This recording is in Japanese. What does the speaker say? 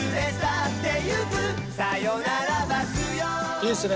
いいですね。